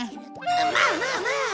まあまあまあ！